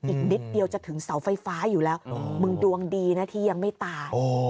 อีกนิดเดียวจะถึงเสาไฟฟ้าอยู่แล้วมึงดวงดีนะที่ยังไม่ตาย